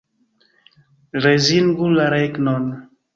Rezignu la regnon.